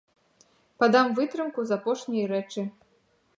Падам вытрымку з апошняй рэчы.